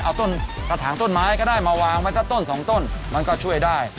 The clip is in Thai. เอาต้นกระถางต้นไม้ก็ได้มาวางไว้สักต้นสองต้นมันก็ช่วยได้